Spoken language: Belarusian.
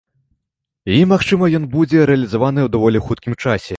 І, магчыма, ён будзе рэалізаваны ў даволі хуткім часе.